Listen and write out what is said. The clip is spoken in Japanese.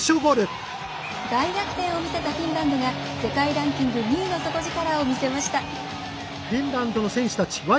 大逆転を見せたフィンランドが世界ランキング２位の底力を見せました。